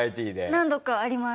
何度かあります。